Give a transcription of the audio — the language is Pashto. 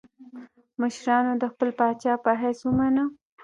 مشرانو د خپل پاچا په حیث ومانه.